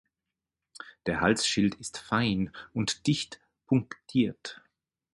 Der Halsschild ist fein und dicht punktiert.